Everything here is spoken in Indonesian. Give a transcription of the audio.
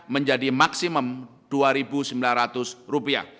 menjadi maksimum rp dua sembilan ratus